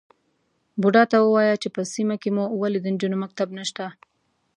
_بوډا ته ووايه چې په سيمه کې مو ولې د نجونو مکتب نشته؟